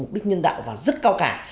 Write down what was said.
mục đích nhân đạo và rất cao cả